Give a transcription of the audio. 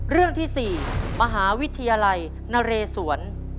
เรื่องที่๔มหาวิทยาลัยนเรศวร